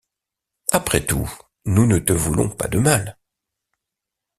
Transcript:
Après tout, nous ne te voulons pas de mal.